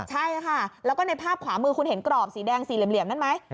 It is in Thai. ใช่ค่ะแล้วก็ในภาพขวามือคุณเห็นกรอบสีแดงสีเหลี่ยมนั้นไหม